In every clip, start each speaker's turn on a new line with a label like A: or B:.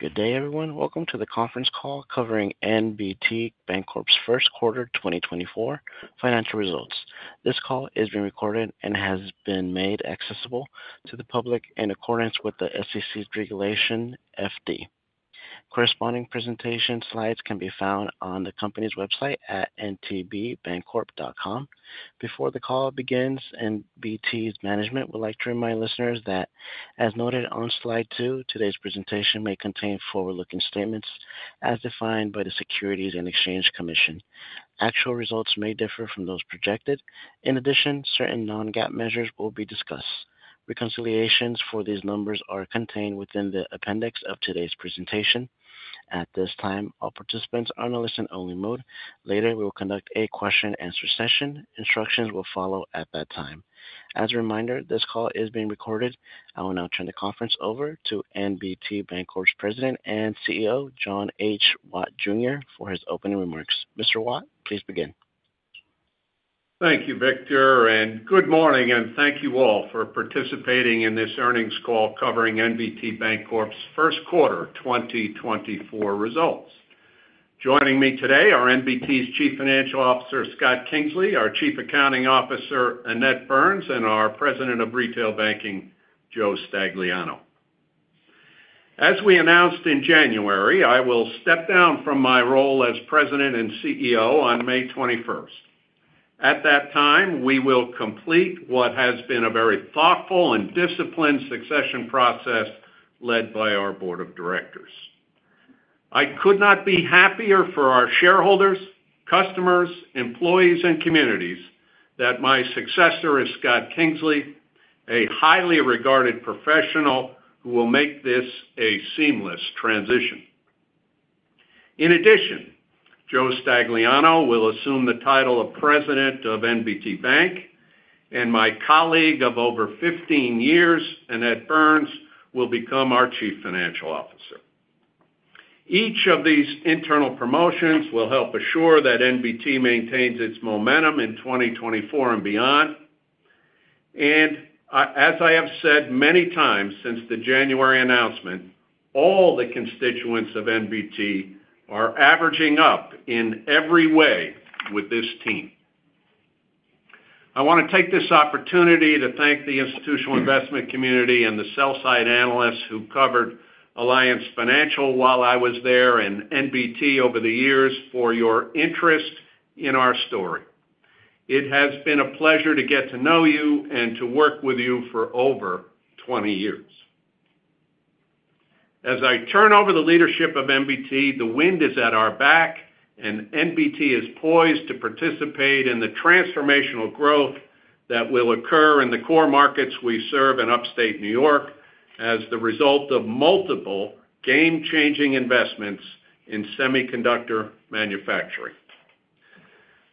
A: Good day, everyone. Welcome to the conference call covering NBT Bancorp's Q1 2024 financial results. This call is being recorded and has been made accessible to the public in accordance with the SEC's Regulation FD. Corresponding presentation slides can be found on the company's website at nbtbancorp.com. Before the call begins, NBT's management would like to remind listeners that, as noted on slide two, today's presentation may contain forward-looking statements as defined by the Securities and Exchange Commission. Actual results may differ from those projected. In addition, certain non-GAAP measures will be discussed. Reconciliations for these numbers are contained within the appendix of today's presentation. At this time, all participants are in a listen-only mode. Later, we will conduct a question-and-answer session. Instructions will follow at that time. As a reminder, this call is being recorded. I will now turn the conference over to NBT Bancorp's President and CEO, John H. Watt, Jr., for his opening remarks. Mr. Watt, please begin.
B: Thank you, Victor, and good morning, and thank you all for participating in this earnings call covering NBT Bancorp's Q1 2024 results. Joining me today are NBT's Chief Financial Officer, Scott Kingsley, our Chief Accounting Officer, Annette Burns, and our President of Retail Banking, Joe Stagliano. As we announced in January, I will step down from my role as President and CEO on May twenty-first. At that time, we will complete what has been a very thoughtful and disciplined succession process led by our board of directors. I could not be happier for our shareholders, customers, employees, and communities that my successor is Scott Kingsley, a highly regarded professional who will make this a seamless transition. In addition, Joe Stagliano will assume the title of President of NBT Bank, and my colleague of over 15 years, Annette Burns, will become our Chief Financial Officer. Each of these internal promotions will help assure that NBT maintains its momentum in 2024 and beyond. And, as I have said many times since the January announcement, all the constituents of NBT are averaging up in every way with this team. I want to take this opportunity to thank the institutional investment community and the sell side analysts who covered Alliance Financial while I was there and NBT over the years for your interest in our story. It has been a pleasure to get to know you and to work with you for over 20 years. As I turn over the leadership of NBT, the wind is at our back, and NBT is poised to participate in the transformational growth that will occur in the core markets we serve in upstate New York as the result of multiple game-changing investments in semiconductor manufacturing.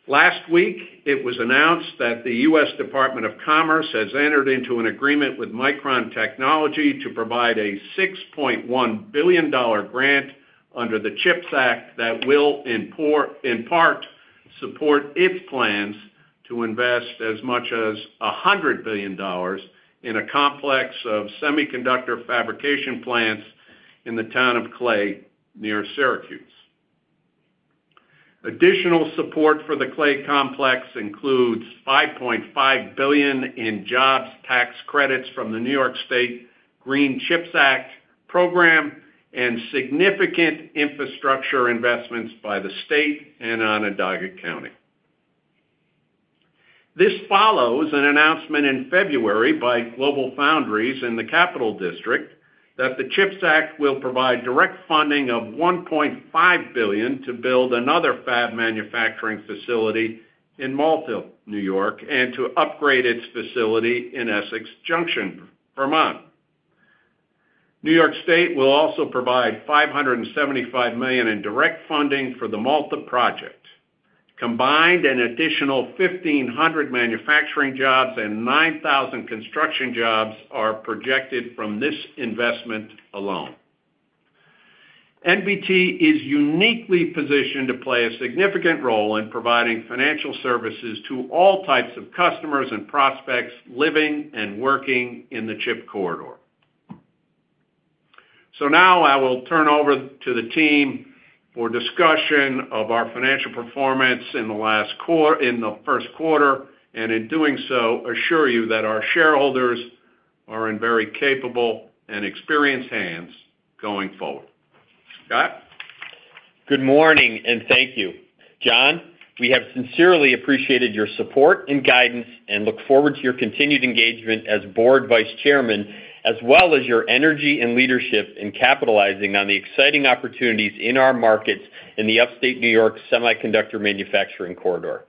B: Last week, it was announced that the U.S. Department of Commerce has entered into an agreement with Micron Technology to provide a $6.1 billion grant under the CHIPS Act that will, in part, support its plans to invest as much as $100 billion in a complex of semiconductor fabrication plants in the town of Clay, near Syracuse, New York. Additional support for the Clay complex includes $5.5 billion in jobs tax credits from the New York State Green CHIPS Program and significant infrastructure investments by the state and Onondaga County. This follows an announcement in February by GlobalFoundries in the Capital District that the CHIPS Act will provide direct funding of $1.5 billion to build another fab manufacturing facility in Malta, New York, and to upgrade its facility in Essex Junction, Vermont. New York State will also provide $575 million in direct funding for the Malta project. Combined, an additional 1,500 manufacturing jobs and 9,000 construction jobs are projected from this investment alone. NBT is uniquely positioned to play a significant role in providing financial services to all types of customers and prospects living and working in the Chip Corridor. So now I will turn over to the team for discussion of our financial performance in the Q1, and in doing so, assure you that our shareholders are in very capable and experienced hands going forward. Scott?
C: Good morning, and thank you. John, we have sincerely appreciated your support and guidance and look forward to your continued engagement as board vice chairman, as well as your energy and leadership in capitalizing on the exciting opportunities in our markets in the Upstate New York Semiconductor Manufacturing Corridor.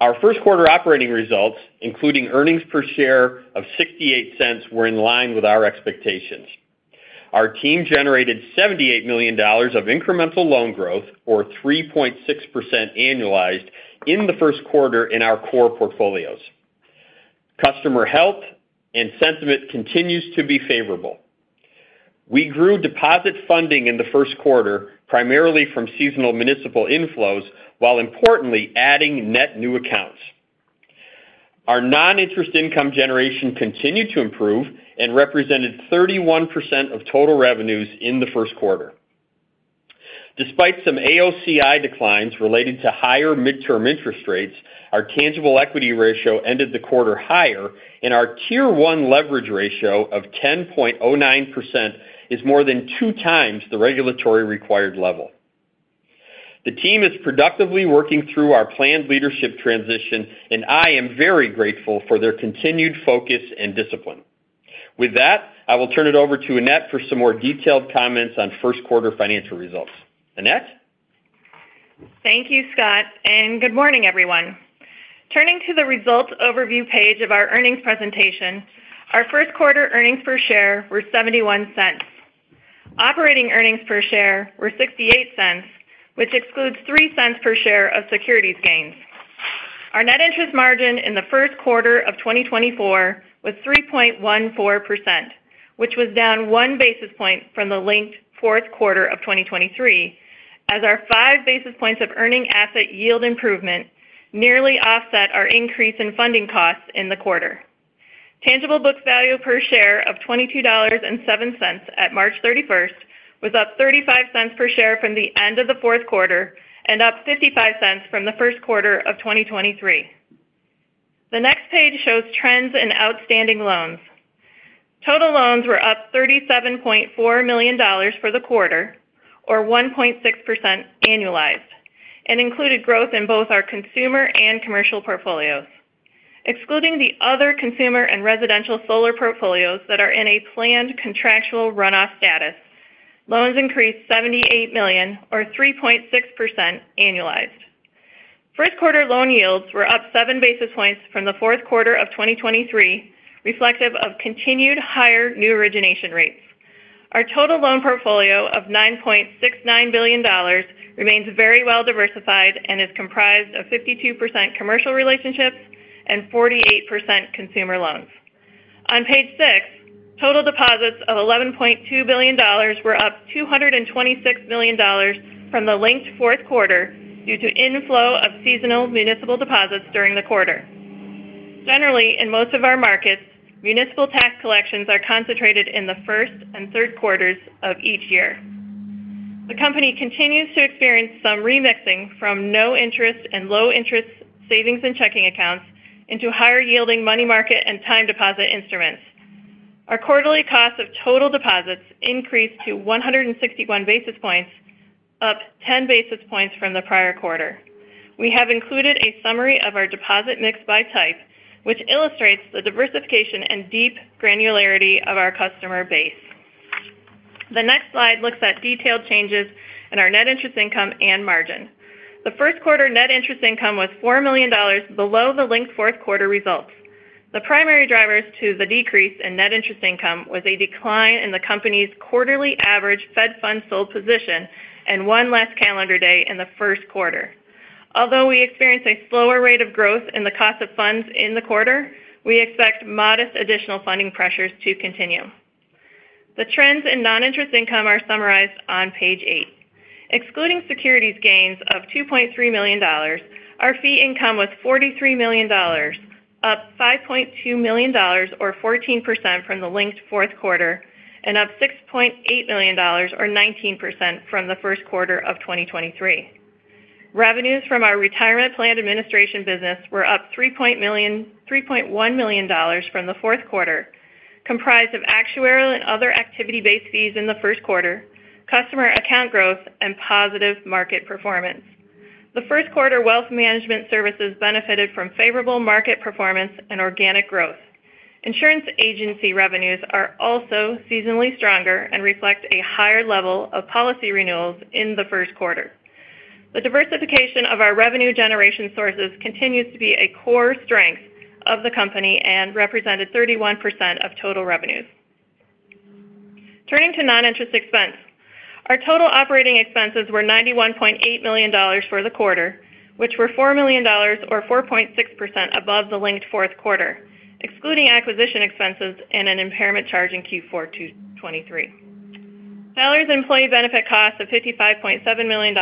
C: Our Q1 operating results, including earnings per share of $0.68, were in line with our expectations. Our team generated $78 million of incremental loan growth, or 3.6% annualized, in the Q1 in our core portfolios. Customer health and sentiment continues to be favorable. We grew deposit funding in the Q1, primarily from seasonal municipal inflows, while importantly adding net new accounts.... Our non-interest income generation continued to improve and represented 31% of total revenues in the Q1. Despite some AOCI declines related to higher midterm interest rates, our tangible equity ratio ended the quarter higher, and our Tier 1 leverage ratio of 10.09% is more than two times the regulatory required level. The team is productively working through our planned leadership transition, and I am very grateful for their continued focus and discipline. With that, I will turn it over to Annette for some more detailed comments on Q1 financial results. Annette?
D: Thank you, Scott, and good morning, everyone. Turning to the results overview page of our earnings presentation, our Q1 earnings per share were $0.71. Operating earnings per share were $0.68, which excludes $0.03 per share of securities gains. Our net interest margin in the Q1 of 2024 was 3.14%, which was down 1 basis point from the linked Q4 of 2023, as our 5 basis points of earning asset yield improvement nearly offset our increase in funding costs in the quarter. Tangible book value per share of $22.07 at March 31, was up $0.35 per share from the end of the Q4 and up $0.55 from the Q1 of 2023. The next page shows trends in outstanding loans. Total loans were up $37.4 million for the quarter, or 1.6% annualized, and included growth in both our consumer and commercial portfolios. Excluding the other consumer and residential solar portfolios that are in a planned contractual runoff status, loans increased $78 million, or 3.6% annualized. Q1 loan yields were up 7 basis points from the Q4 of 2023, reflective of continued higher new origination rates. Our total loan portfolio of $9.69 billion remains very well-diversified and is comprised of 52% commercial relationships and 48% consumer loans. On page six, total deposits of $11.2 billion were up $226 million from the linked Q4 due to inflow of seasonal municipal deposits during the quarter. Generally, in most of our markets, municipal tax collections are concentrated in the first and Q3s of each year. The company continues to experience some remixing from no interest and low interest savings and checking accounts into higher-yielding money market and time deposit instruments. Our quarterly cost of total deposits increased to 161 basis points, up 10 basis points from the prior quarter. We have included a summary of our deposit mix by type, which illustrates the diversification and deep granularity of our customer base. The next slide looks at detailed changes in our net interest income and margin. The Q1 net interest income was $4 million below the linked Q4 results. The primary drivers to the decrease in net interest income was a decline in the company's quarterly average Fed Fund sold position and one less calendar day in the Q1. Although we experienced a slower rate of growth in the cost of funds in the quarter, we expect modest additional funding pressures to continue. The trends in non-interest income are summarized on page eight. Excluding securities gains of $2.3 million, our fee income was $43 million, up $5.2 million or 14% from the linked Q4, and up $6.8 million or 19% from the Q1 of 2023. Revenues from our retirement plan administration business were up $3.1 million from the Q4, comprised of actuarial and other activity-based fees in the Q1, customer account growth, and positive market performance. The Q1 wealth management services benefited from favorable market performance and organic growth. Insurance agency revenues are also seasonally stronger and reflect a higher level of policy renewals in the Q1. The diversification of our revenue generation sources continues to be a core strength of the company and represented 31% of total revenues. Turning to non-interest expense. Our total operating expenses were $91.8 million for the quarter, which were $4 million or 4.6% above the linked Q4, excluding acquisition expenses and an impairment charge in Q4 2023. Salary and employee benefit costs of $55.7 million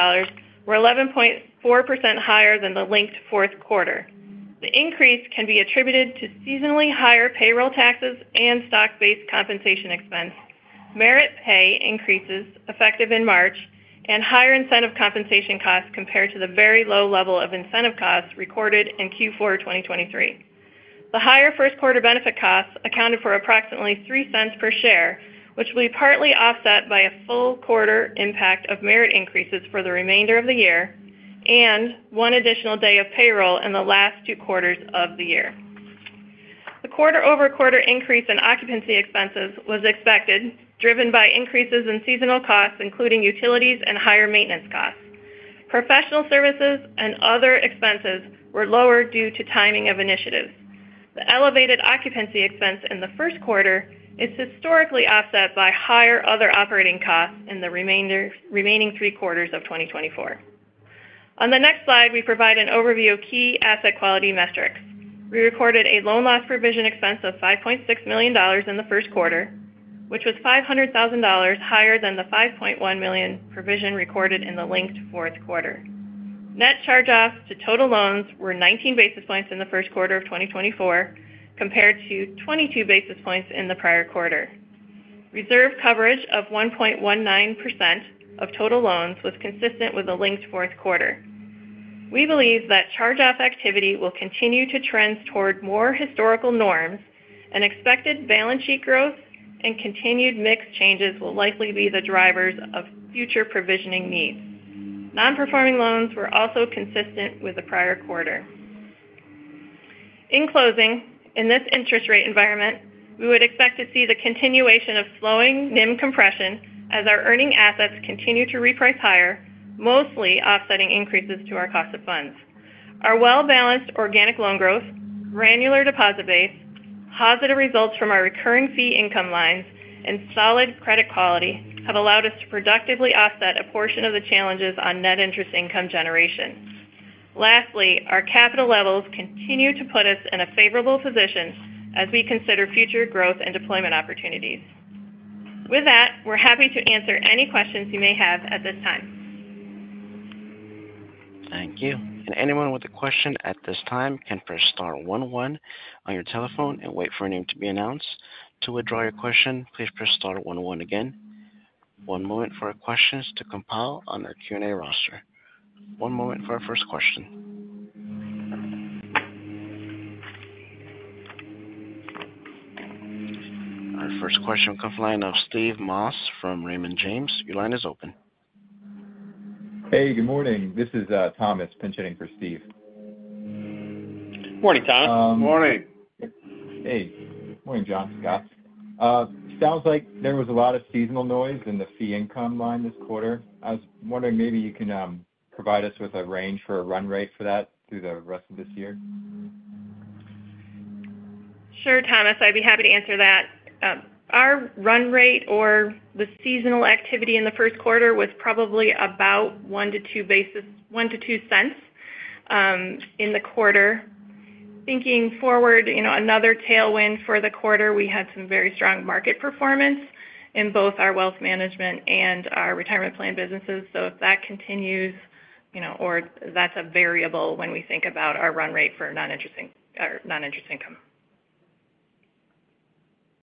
D: were 11.4% higher than the linked Q4. The increase can be attributed to seasonally higher payroll taxes and stock-based compensation expense, merit pay increases effective in March, and higher incentive compensation costs compared to the very low level of incentive costs recorded in Q4 2023. The higher Q1 benefit costs accounted for approximately $0.03 per share, which will be partly offset by a full quarter impact of merit increases for the remainder of the year and one additional day of payroll in the last two quarters of the year. The quarter-over-quarter increase in occupancy expenses was expected, driven by increases in seasonal costs, including utilities and higher maintenance costs. Professional services and other expenses were lower due to timing of initiatives. The elevated occupancy expense in the Q1 is historically offset by higher other operating costs in the remaining three quarters of 2024. On the next slide, we provide an overview of key asset quality metrics. We recorded a loan loss provision expense of $5.6 million in the Q1. which was $500,000 higher than the $5.1 million provision recorded in the linked Q4. Net charge-offs to total loans were 19 basis points in the Q1 of 2024, compared to 22 basis points in the prior quarter. Reserve coverage of 1.19% of total loans was consistent with the linked Q4. We believe that charge-off activity will continue to trend toward more historical norms, and expected balance sheet growth and continued mix changes will likely be the drivers of future provisioning needs. Non-performing loans were also consistent with the prior quarter. In closing, in this interest rate environment, we would expect to see the continuation of slowing NIM compression as our earning assets continue to reprice higher, mostly offsetting increases to our cost of funds. Our well-balanced organic loan growth, granular deposit base, positive results from our recurring fee income lines, and solid credit quality have allowed us to productively offset a portion of the challenges on net interest income generation. Lastly, our capital levels continue to put us in a favorable position as we consider future growth and deployment opportunities. With that, we're happy to answer any questions you may have at this time.
A: Thank you. Anyone with a question at this time can press star one one on your telephone and wait for your name to be announced. To withdraw your question, please press star one one again. One moment for our questions to compile on our Q&A roster. One moment for our first question. Our first question comes from the line of Steve Moss from Raymond James. Your line is open.
E: Hey, good morning. This is Thomas pinch-hitting for Steve.
C: Morning, Thomas.
B: Morning.
E: Hey, morning, John and Scott. Sounds like there was a lot of seasonal noise in the fee income line this quarter. I was wondering maybe you can provide us with a range for a run rate for that through the rest of this year.
D: Sure, Thomas, I'd be happy to answer that. Our run rate or the seasonal activity in the Q1 was probably about 1-2 cents in the quarter. Thinking forward, you know, another tailwind for the quarter, we had some very strong market performance in both our wealth management and our retirement plan businesses. So if that continues, you know, or that's a variable when we think about our run rate for non-interest income.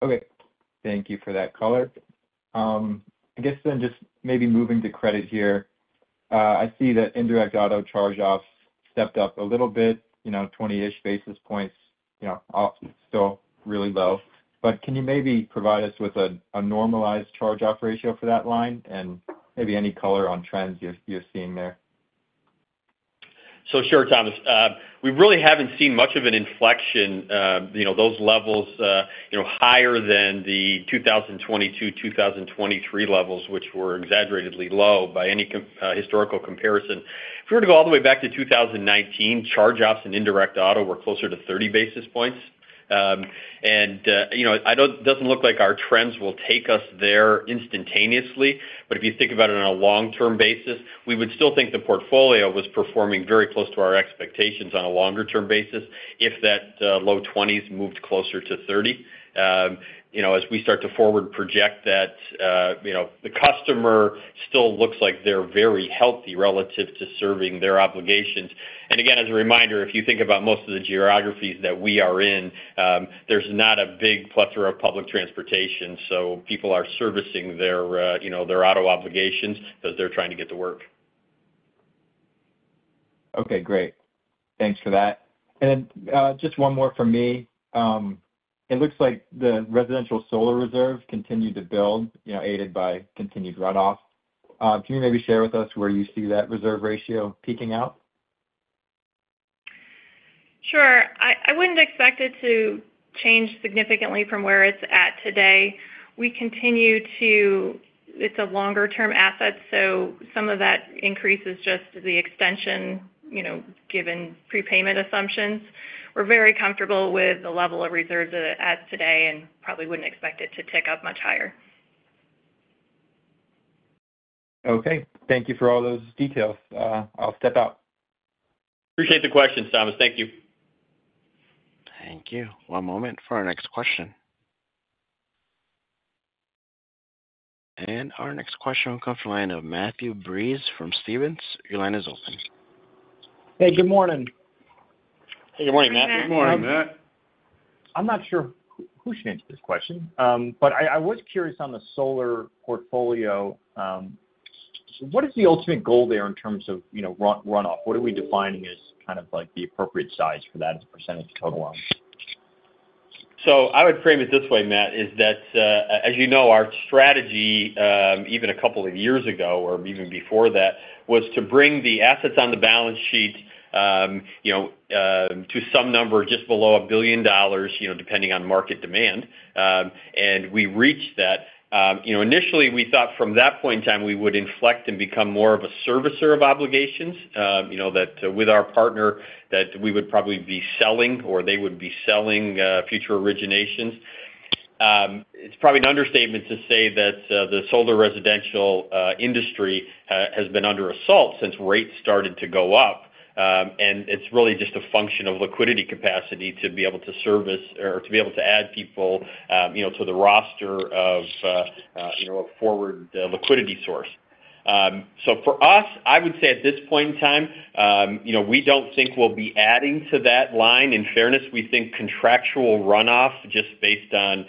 E: Okay, thank you for that color. I guess then just maybe moving to credit here. I see that indirect auto charge-offs stepped up a little bit, you know, 20-ish basis points, you know, off, still really low. But can you maybe provide us with a normalized charge-off ratio for that line and maybe any color on trends you're seeing there?
C: So sure, Thomas. We really haven't seen much of an inflection. You know, those levels, you know, higher than the 2022, 2023 levels, which were exaggeratedly low by any historical comparison. If we were to go all the way back to 2019, charge-offs and indirect auto were closer to 30 basis points. And, you know, it doesn't look like our trends will take us there instantaneously. But if you think about it on a long-term basis, we would still think the portfolio was performing very close to our expectations on a longer-term basis if that, low 20s moved closer to 30. You know, as we start to forward project that, you know, the customer still looks like they're very healthy relative to serving their obligations. And again, as a reminder, if you think about most of the geographies that we are in, there's not a big plethora of public transportation, so people are servicing their, you know, their auto obligations as they're trying to get to work.
F: Okay, great. Thanks for that. And then, just one more from me. It looks like the residential solar reserve continued to build, you know, aided by continued runoff. Can you maybe share with us where you see that reserve ratio peaking out?
D: Sure. I wouldn't expect it to change significantly from where it's at today. We continue to... It's a longer-term asset, so some of that increase is just the extension, you know, given prepayment assumptions. We're very comfortable with the level of reserves at today and probably wouldn't expect it to tick up much higher.
E: Okay. Thank you for all those details. I'll step out.
C: Appreciate the questions, Thomas. Thank you.
A: Thank you. One moment for our next question. Our next question will come from the line of Matthew Breese from Stephens. Your line is open.
G: Hey, good morning.
C: Hey, good morning, Matt.
B: Good morning, Matt.
G: I'm not sure who should answer this question. But I was curious on the solar portfolio. What is the ultimate goal there in terms of, you know, runoff? What are we defining as kind of like the appropriate size for that as a percentage of total loans?
C: So I would frame it this way, Matt, is that, as you know, our strategy, even a couple of years ago or even before that, was to bring the assets on the balance sheet, you know, to some number just below $1 billion, you know, depending on market demand. We reached that. You know, initially, we thought from that point in time, we would inflect and become more of a servicer of obligations, you know, that with our partner, that we would probably be selling or they would be selling, future originations. It's probably an understatement to say that, the solar residential industry has been under assault since rates started to go up. And it's really just a function of liquidity capacity to be able to service or to be able to add people, you know, to the roster of, you know, a forward liquidity source. So for us, I would say at this point in time, you know, we don't think we'll be adding to that line. In fairness, we think contractual runoff, just based on,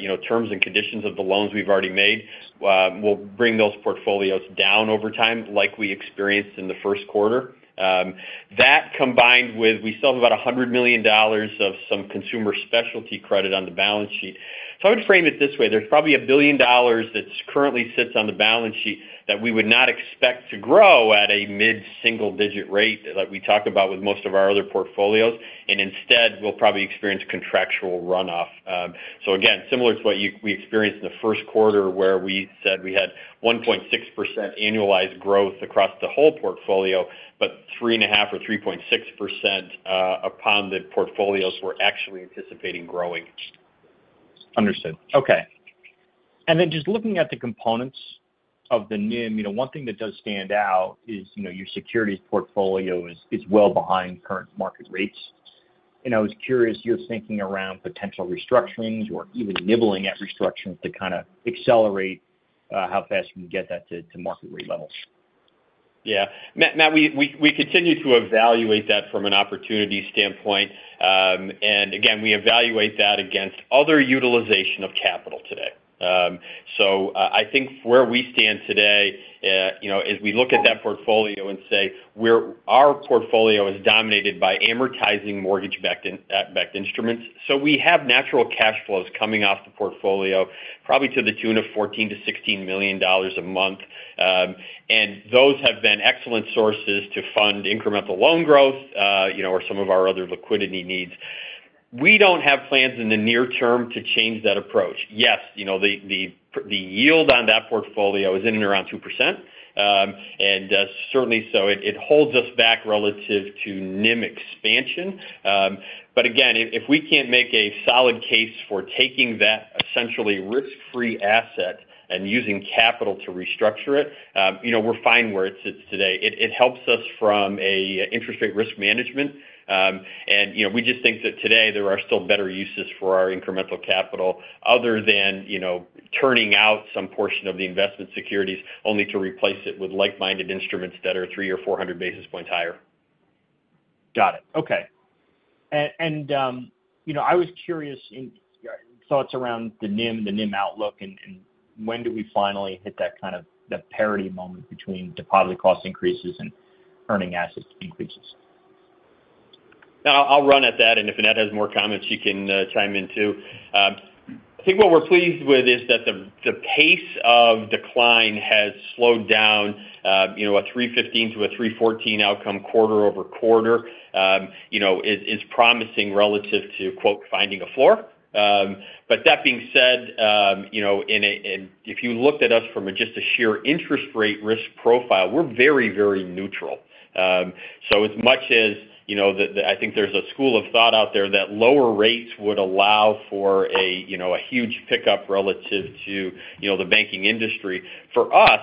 C: you know, terms and conditions of the loans we've already made, will bring those portfolios down over time, like we experienced in the Q1. That, combined with, we still have about $100 million of some consumer specialty credit on the balance sheet. So I would frame it this way: there's probably $1 billion that's currently sits on the balance sheet that we would not expect to grow at a mid-single digit rate like we talked about with most of our other portfolios. And instead, we'll probably experience contractual runoff. So again, similar to what we experienced in the Q1, where we said we had 1.6% annualized growth across the whole portfolio, but 3.5% or 3.6%, upon the portfolios we're actually anticipating growing.
G: Understood. Okay. And then just looking at the components of the NIM, you know, one thing that does stand out is, you know, your securities portfolio is well behind current market rates. And I was curious your thinking around potential restructurings or even nibbling at restructurings to kind of accelerate how fast you can get that to market rate levels.
C: Yeah. Matt, we continue to evaluate that from an opportunity standpoint. And again, we evaluate that against other utilization of capital today. So, I think where we stand today, you know, is we look at that portfolio and say our portfolio is dominated by amortizing mortgage-backed instruments. So we have natural cash flows coming off the portfolio, probably to the tune of $14 million-$16 million a month. And those have been excellent sources to fund incremental loan growth, you know, or some of our other liquidity needs. We don't have plans in the near term to change that approach. Yes, you know, the yield on that portfolio is in and around 2%. And certainly, so it holds us back relative to NIM expansion. But again, if we can't make a solid case for taking that essentially risk-free asset and using capital to restructure it, you know, we're fine where it sits today. It helps us from an interest rate risk management. And, you know, we just think that today there are still better uses for our incremental capital other than, you know, turning out some portion of the investment securities, only to replace it with like-minded instruments that are 300 or 400 basis points higher.
G: Got it. Okay. And you know, I was curious in your thoughts around the NIM, the NIM outlook, and when do we finally hit that kind of, the parity moment between deposit cost increases and earning assets increases?
C: Now, I'll run at that, and if Annette has more comments, she can chime in, too. I think what we're pleased with is that the pace of decline has slowed down, you know, a 3.15 to a 3.14 outcome quarter-over-quarter, you know, is promising relative to "finding a floor." But that being said, you know, if you looked at us from just a sheer interest rate risk profile, we're very, very neutral. So as much as, you know, I think there's a school of thought out there that lower rates would allow for a, you know, a huge pickup relative to, you know, the banking industry. For us,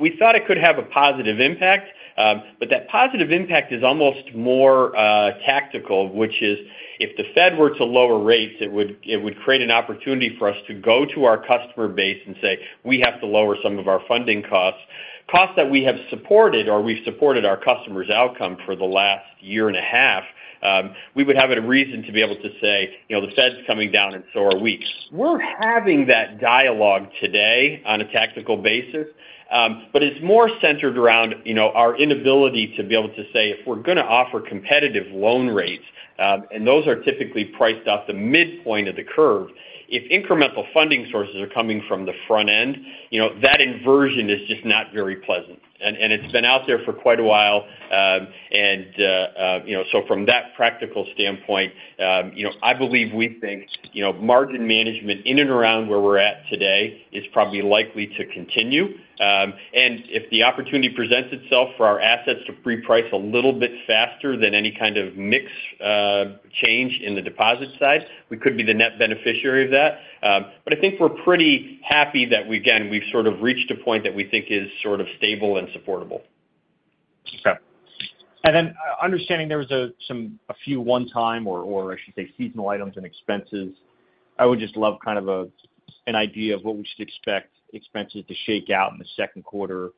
C: we thought it could have a positive impact, but that positive impact is almost more tactical, which is, if the Fed were to lower rates, it would create an opportunity for us to go to our customer base and say, "We have to lower some of our funding costs." Costs that we have supported or we've supported our customers' outcome for the last year and a half, we would have a reason to be able to say, "You know, the Fed's coming down and so are we." We're having that dialogue today on a tactical basis, but it's more centered around, you know, our inability to be able to say if we're gonna offer competitive loan rates, and those are typically priced off the midpoint of the curve. If incremental funding sources are coming from the front end, you know, that inversion is just not very pleasant, and it's been out there for quite a while. You know, so from that practical standpoint, you know, I believe we think, you know, margin management in and around where we're at today is probably likely to continue. And if the opportunity presents itself for our assets to reprice a little bit faster than any kind of mix change in the deposit side, we could be the net beneficiary of that. But I think we're pretty happy that we again, we've sort of reached a point that we think is sort of stable and supportable.
G: Okay. And then, understanding there was some, a few one-time or I should say seasonal items and expenses, I would just love kind of an idea of what we should expect expenses to shake out in the Q2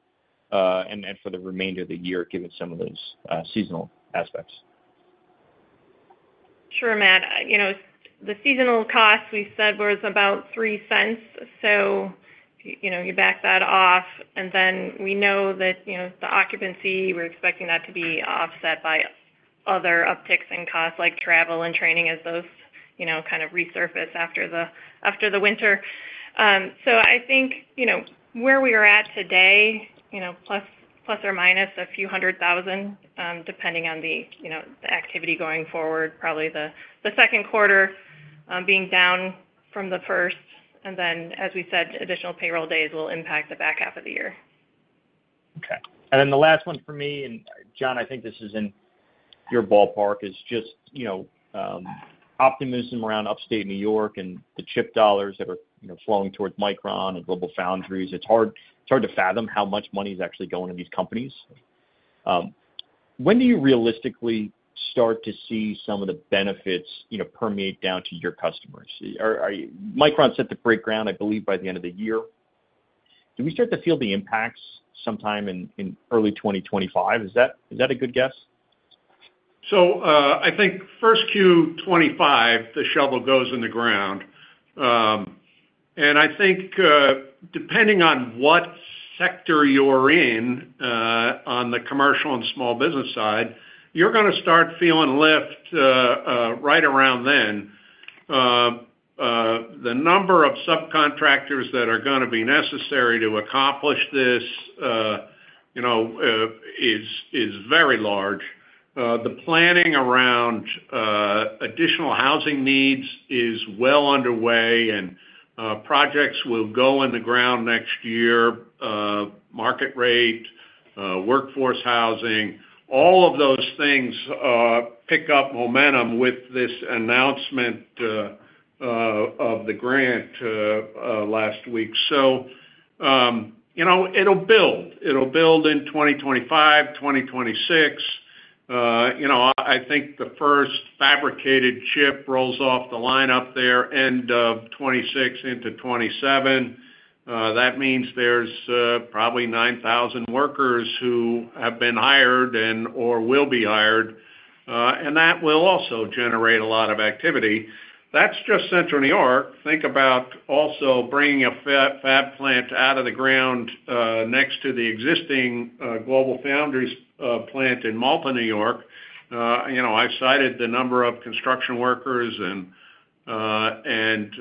G: and then for the remainder of the year, given some of those seasonal aspects?
D: Sure, Matt. You know, the seasonal costs, we said, was about $0.03. So, you know, you back that off, and then we know that, you know, the occupancy, we're expecting that to be offset by other upticks in costs like travel and training as those, you know, kind of resurface after the winter. So I think, you know, where we are at today, you know, plus or minus a few hundred thousand, depending on the, you know, the activity going forward, probably the Q2 being down from the first, and then, as we said, additional payroll days will impact the back half of the year.
G: Okay. Then the last one for me, and John, I think this is in your ballpark is just, you know, optimism around Upstate New York and the chip dollars that are, you know, flowing towards Micron and GlobalFoundries. It's hard, it's hard to fathom how much money is actually going to these companies. When do you realistically start to see some of the benefits, you know, permeate down to your customers? Are Micron set to break ground, I believe, by the end of the year. Do we start to feel the impacts sometime in early 2025? Is that a good guess?
B: So, I think first Q 2025, the shovel goes in the ground. And I think, depending on what sector you're in, on the commercial and small business side, you're gonna start feeling lift, right around then. The number of subcontractors that are gonna be necessary to accomplish this, you know, is, is very large. The planning around, additional housing needs is well underway, and, projects will go in the ground next year. Market rate, workforce housing, all of those things, pick up momentum with this announcement, of the grant, last week. So, you know, it'll build. It'll build in 2025, 2026. You know, I think the first fabricated chip rolls off the line up there, end of 2026 into 2027. That means there's probably 9,000 workers who have been hired and/or will be hired, and that will also generate a lot of activity. That's just Central New York. Think about also bringing a fab plant out of the ground next to the existing GlobalFoundries plant in Malta, New York. You know, I've cited the number of construction workers and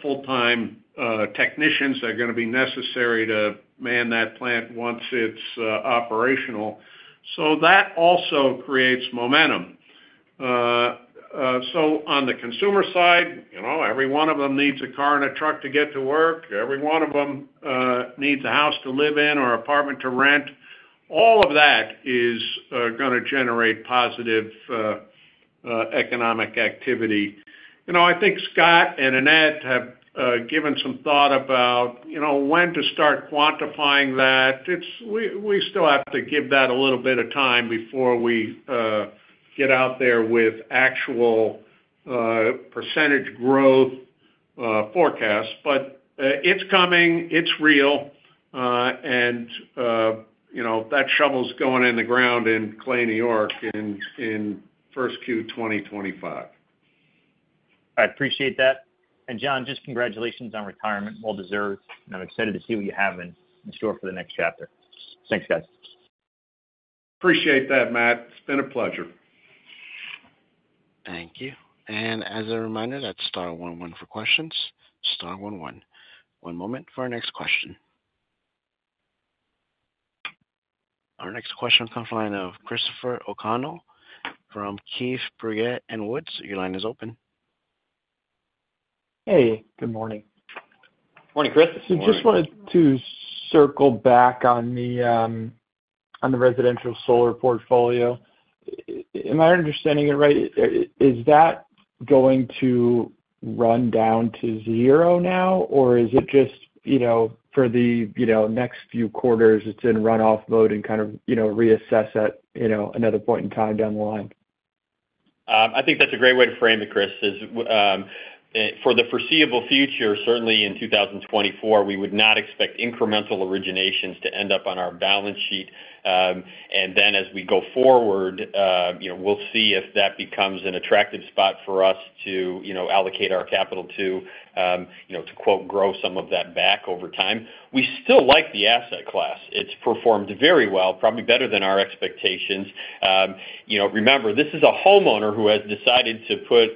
B: full-time technicians that are gonna be necessary to man that plant once it's operational. So that also creates momentum. So on the consumer side, you know, every one of them needs a car and a truck to get to work. Every one of them needs a house to live in or apartment to rent. All of that is gonna generate positive economic activity. You know, I think Scott and Annette have given some thought about, you know, when to start quantifying that. We still have to give that a little bit of time before we get out there with actual percentage growth forecast. But, it's coming, it's real, and, you know, that shovel's going in the ground in Clay, New York, in first Q 2025.
G: I appreciate that. And John, just congratulations on retirement. Well deserved, and I'm excited to see what you have in store for the next chapter. Thanks, guys.
B: Appreciate that, Matt. It's been a pleasure.
A: Thank you. And as a reminder, that's star one one for questions, star one one. One moment for our next question. Our next question comes from the line of Christopher O'Connell from Keefe, Bruyette, and Woods. Your line is open.
H: Hey, good morning.
C: Morning, Chris.
H: Just wanted to circle back on the residential solar portfolio. Am I understanding it right? Is that going to run down to zero now, or is it just, you know, for the, you know, next few quarters, it's in runoff mode and kind of, you know, reassess at, you know, another point in time down the line?
C: I think that's a great way to frame it, Chris, is, for the foreseeable future, certainly in 2024, we would not expect incremental originations to end up on our balance sheet. And then as we go forward, you know, we'll see if that becomes an attractive spot for us to, you know, allocate our capital to, you know, to quote, grow some of that back over time. We still like the asset class. It's performed very well, probably better than our expectations. You know, remember, this is a homeowner who has decided to put,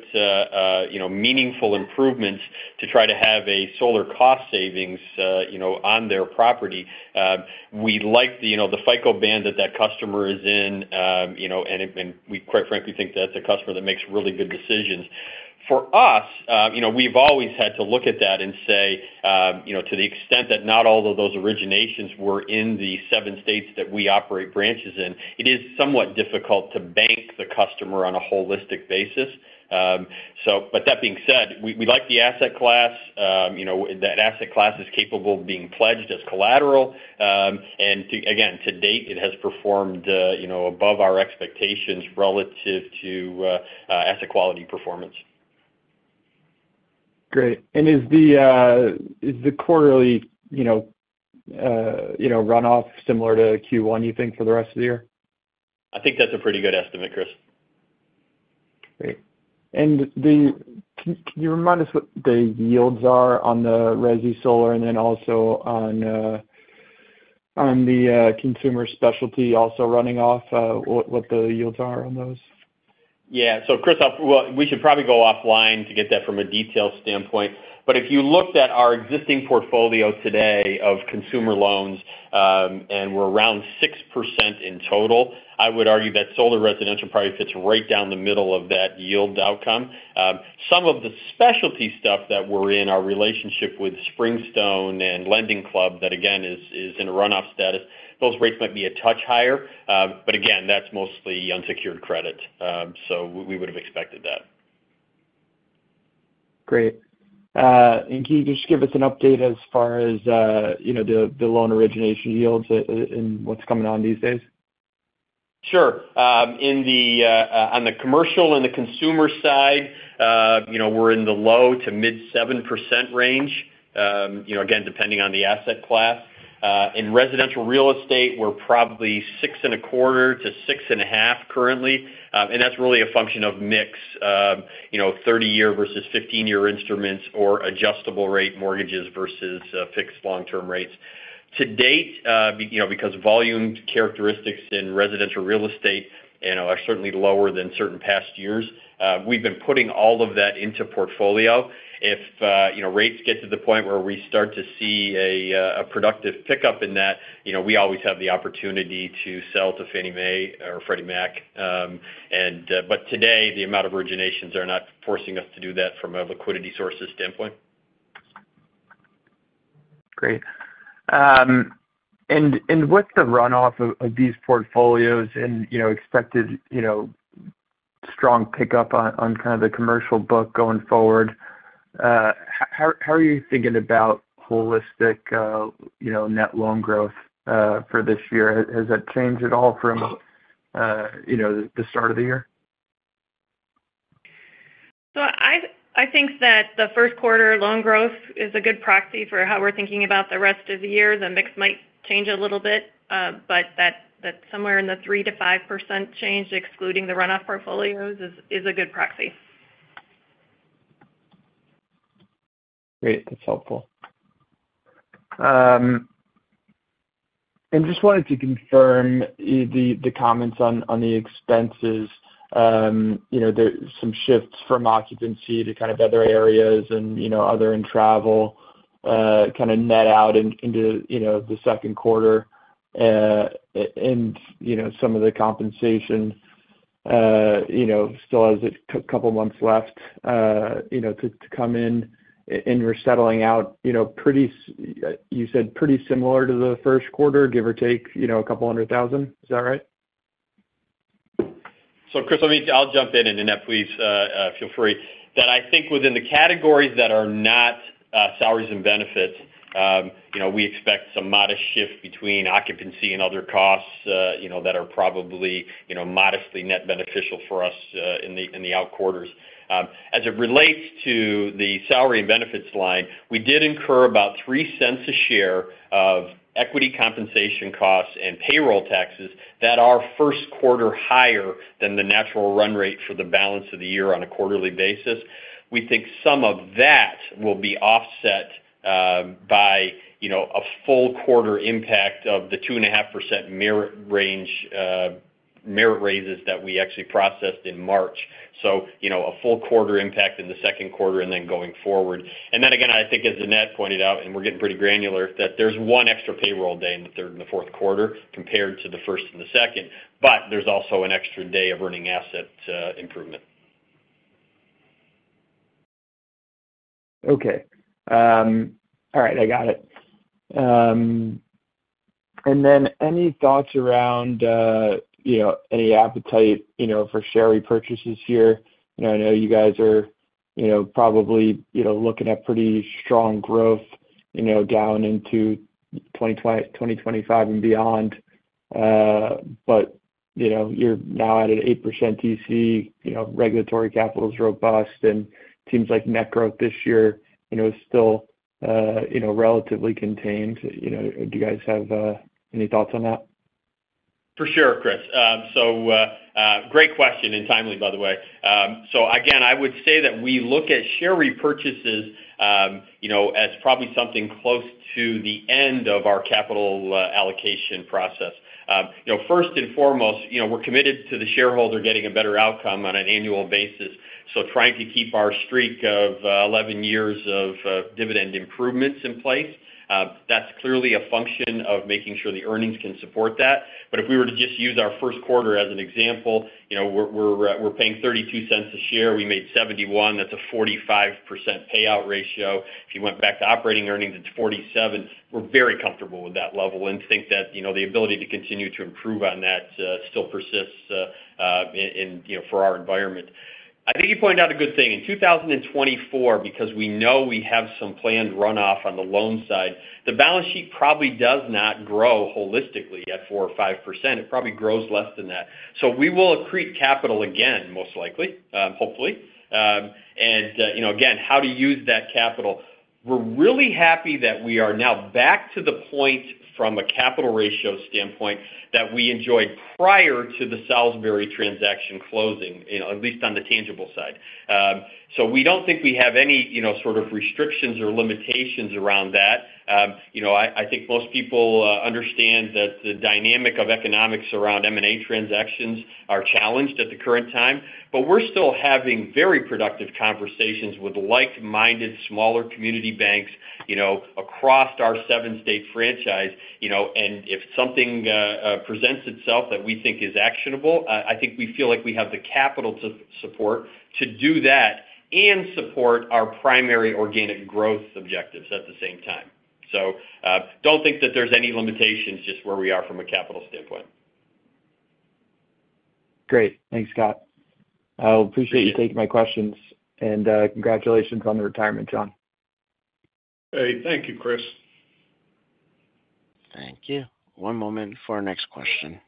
C: you know, meaningful improvements to try to have a solar cost savings, you know, on their property. We like the, you know, the FICO band that that customer is in, you know, and we quite frankly think that's a customer that makes really good decisions. For us, you know, we've always had to look at that and say, you know, to the extent that not all of those originations were in the seven states that we operate branches in, it is somewhat difficult to bank the customer on a holistic basis. So but that being said, we like the asset class. You know, that asset class is capable of being pledged as collateral. And, again, to date, it has performed, you know, above our expectations relative to asset quality performance.
H: Great. And is the quarterly, you know, you know, runoff similar to Q1, you think, for the rest of the year?
C: I think that's a pretty good estimate, Chris.
H: Great. And can you remind us what the yields are on the resi solar, and then also on the consumer specialty also running off, what the yields are on those?
C: Yeah. So Chris, well, we should probably go offline to get that from a detail standpoint. But if you looked at our existing portfolio today of consumer loans, and we're around 6% in total, I would argue that solar residential probably fits right down the middle of that yield outcome. Some of the specialty stuff that we're in, our relationship with Springstone and LendingClub, that again, is in a runoff status, those rates might be a touch higher. But again, that's mostly unsecured credit. So we would have expected that....
H: Great. And can you just give us an update as far as, you know, the loan origination yields, and what's coming on these days?
C: Sure. In the, on the commercial and the consumer side, you know, we're in the low- to mid-7% range, you know, again, depending on the asset class. In residential real estate, we're probably 6.25%-6.5% currently. And that's really a function of mix, you know, 30-year versus 15-year instruments or adjustable rate mortgages versus, fixed long-term rates. To date, you know, because volume characteristics in residential real estate, you know, are certainly lower than certain past years, we've been putting all of that into portfolio. If, you know, rates get to the point where we start to see a, a productive pickup in that, you know, we always have the opportunity to sell to Fannie Mae or Freddie Mac. Today, the amount of originations are not forcing us to do that from a liquidity sources standpoint.
H: Great. And with the runoff of these portfolios and, you know, expected, you know, strong pickup on kind of the commercial book going forward, how are you thinking about holistic, you know, net loan growth for this year? Has that changed at all from, you know, the start of the year?
D: So I think that the Q1 loan growth is a good proxy for how we're thinking about the rest of the year. The mix might change a little bit, but that's somewhere in the 3%-5% change, excluding the runoff portfolios, is a good proxy.
H: Great. That's helpful. And just wanted to confirm the comments on the expenses. You know, there's some shifts from occupancy to kind of other areas and, you know, other in travel, kind of net out into the Q2. And, you know, some of the compensation, you know, still has a couple of months left, you know, to come in, and you're settling out, you know, pretty, you said pretty similar to the Q1, give or take, you know, a couple hundred thousand. Is that right?
C: So Chris, let me. I'll jump in, and then Annette, please, feel free. That I think within the categories that are not, salaries and benefits, you know, we expect some modest shift between occupancy and other costs, you know, that are probably, you know, modestly net beneficial for us, in the out quarters. As it relates to the salary and benefits line, we did incur about $0.03 a share of equity compensation costs and payroll taxes that are Q1 higher than the natural run rate for the balance of the year on a quarterly basis. We think some of that will be offset, by, you know, a full quarter impact of the 2.5% merit range, merit raises that we actually processed in March. So, you know, a full quarter impact in the Q2 and then going forward. And then again, I think as Annette pointed out, and we're getting pretty granular, that there's one extra payroll day in the third and the Q4 compared to the first and the second, but there's also an extra day of earning asset improvement.
H: Okay. All right, I got it. And then any thoughts around, you know, any appetite, you know, for share repurchases here? You know, I know you guys are, you know, probably, you know, looking at pretty strong growth, you know, down into 2025 and beyond. But, you know, you're now at an 8% TC, you know, regulatory capital is robust, and seems like net growth this year, you know, is still, you know, relatively contained. You know, do you guys have, you know, any thoughts on that?
C: For sure, Chris. So, great question, and timely, by the way. So again, I would say that we look at share repurchases, you know, as probably something close to the end of our capital allocation process. You know, first and foremost, you know, we're committed to the shareholder getting a better outcome on an annual basis. So trying to keep our streak of 11 years of dividend improvements in place, that's clearly a function of making sure the earnings can support that. But if we were to just use our Q1 as an example, you know, we're paying $0.32 a share. We made $0.71. That's a 45% payout ratio. If you went back to operating earnings, it's 47%. We're very comfortable with that level and think that, you know, the ability to continue to improve on that still persists in you know, for our environment. I think you pointed out a good thing. In 2024, because we know we have some planned runoff on the loan side, the balance sheet probably does not grow holistically at 4% or 5%. It probably grows less than that. So we will accrete capital again, most likely, hopefully. And you know, again, how to use that capital, we're really happy that we are now back to the point from a capital ratio standpoint, that we enjoyed prior to the Salisbury transaction closing, you know, at least on the tangible side. So we don't think we have any you know, sort of restrictions or limitations around that. You know, I, I think most people understand that the dynamic of economics around M&A transactions are challenged at the current time, but we're still having very productive conversations with like-minded, smaller community banks, you know, across our seven-state franchise. You know, and if something presents itself that we think is actionable, I think we feel like we have the capital to support to do that and support our primary organic growth objectives at the same time. So, don't think that there's any limitations, just where we are from a capital standpoint....
H: Great. Thanks, Scott. I appreciate you taking my questions, and congratulations on the retirement, John.
B: Hey, thank you, Chris.
A: Thank you. One moment for our next question.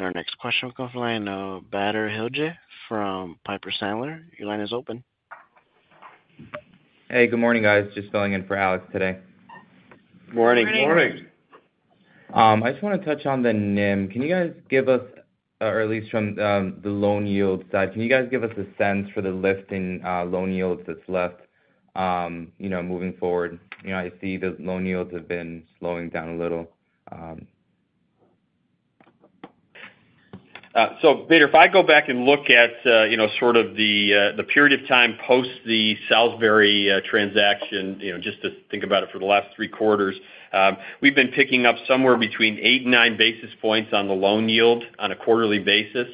A: Our next question will come from the line of Bader Hijleh from Piper Sandler. Your line is open.
I: Hey, good morning, guys. Just filling in for Alex today.
B: Morning.
C: Morning.
I: I just want to touch on the NIM. Can you guys give us, or at least from, the loan yield side, can you guys give us a sense for the lift in loan yields that's left, you know, moving forward? You know, I see the loan yields have been slowing down a little.
C: So Bader, if I go back and look at, you know, sort of the period of time post the Salisbury transaction, you know, just to think about it for the last three quarters, we've been picking up somewhere between 8 and 9 basis points on the loan yield on a quarterly basis.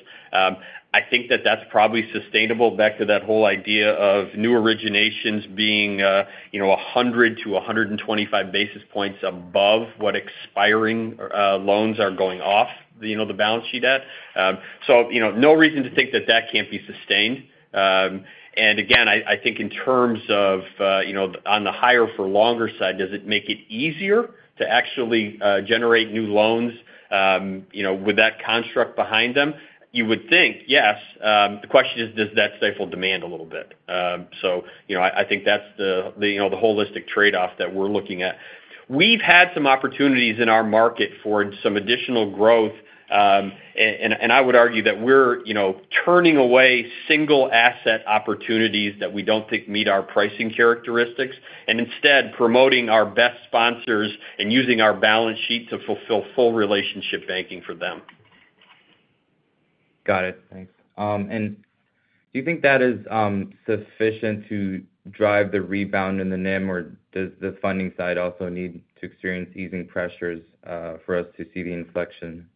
C: I think that that's probably sustainable back to that whole idea of new originations being, you know, 100-125 basis points above what expiring loans are going off, you know, the balance sheet at. So, you know, no reason to think that that can't be sustained. And again, I think in terms of, you know, on the higher for longer side, does it make it easier to actually generate new loans, you know, with that construct behind them? You would think, yes. The question is, does that stifle demand a little bit? So, you know, I think that's the holistic trade-off that we're looking at. We've had some opportunities in our market for some additional growth, and I would argue that we're, you know, turning away single asset opportunities that we don't think meet our pricing characteristics, and instead promoting our best sponsors and using our balance sheet to fulfill full relationship banking for them.
I: Got it. Thanks. And do you think that is sufficient to drive the rebound in the NIM, or does the funding side also need to experience easing pressures for us to see the inflection?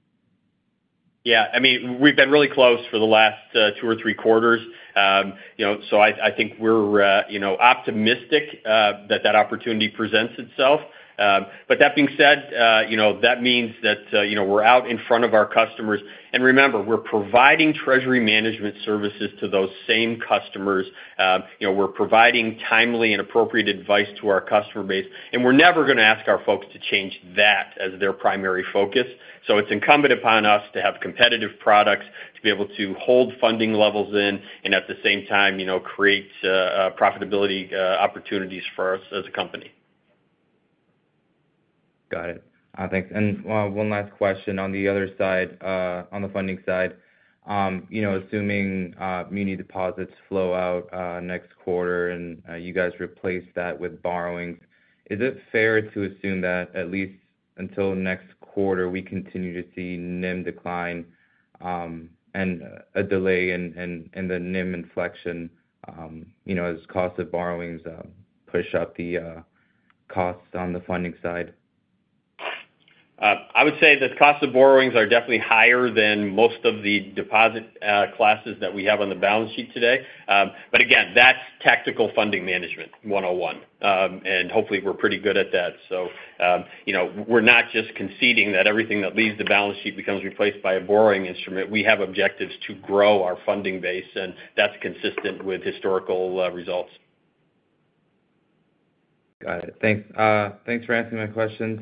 C: Yeah. I mean, we've been really close for the last, 2 or 3 quarters. You know, so I, I think we're, you know, optimistic, that that opportunity presents itself. But that being said, you know, that means that, you know, we're out in front of our customers. And remember, we're providing treasury management services to those same customers. You know, we're providing timely and appropriate advice to our customer base, and we're never gonna ask our folks to change that as their primary focus. So it's incumbent upon us to have competitive products, to be able to hold funding levels in, and at the same time, you know, create, profitability, opportunities for us as a company.
I: Got it. Thanks. And one last question on the other side, on the funding side. You know, assuming mini deposits flow out next quarter and you guys replace that with borrowings, is it fair to assume that at least until next quarter, we continue to see NIM decline, and a delay in the NIM inflection, you know, as cost of borrowings push up the costs on the funding side?
C: I would say that cost of borrowings are definitely higher than most of the deposit classes that we have on the balance sheet today. But again, that's tactical funding management 101. And hopefully, we're pretty good at that. You know, we're not just conceding that everything that leaves the balance sheet becomes replaced by a borrowing instrument. We have objectives to grow our funding base, and that's consistent with historical results.
I: Got it. Thanks. Thanks for answering my questions.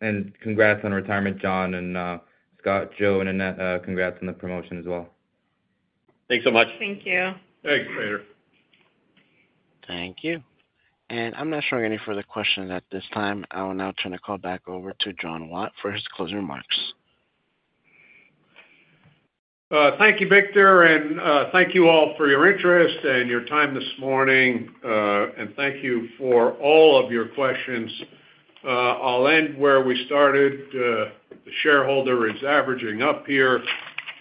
I: Congrats on retirement, John. Scott, Joe, and Annette, congrats on the promotion as well.
C: Thanks so much. Thank you.
B: Thanks, Bader.
A: Thank you. I'm not showing any further questions at this time. I will now turn the call back over to John Watt for his closing remarks.
B: Thank you, Victor, and thank you all for your interest and your time this morning, and thank you for all of your questions. I'll end where we started. The shareholder is averaging up here,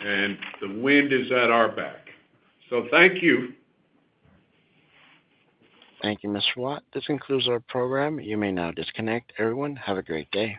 B: and the wind is at our back. So thank you.
A: Thank you, Mr. Watt. This concludes our program. You may now disconnect. Everyone, have a great day.